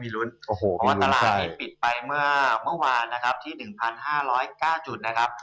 อันตราที่ปิดไปเมื่อเมื่อวานที่๑๕๐๙จุดนะครับ